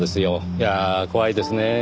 いやあ怖いですねぇ。